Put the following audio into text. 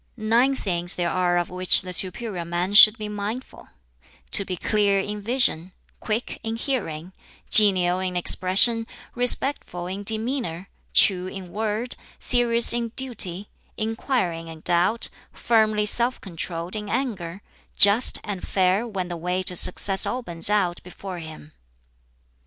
"Nine things there are of which the superior man should be mindful: to be clear in vision, quick in hearing, genial in expression, respectful in demeanor, true in word, serious in duty, inquiring in doubt, firmly self controlled in anger, just and fair when the way to success opens out before him."